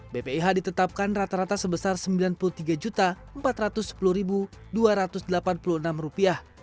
bpih ditetapkan rata rata sebesar rp sembilan puluh tiga empat ratus sepuluh dua ratus delapan puluh enam